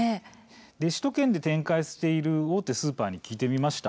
首都圏で展開している大手スーパーに聞いてみました。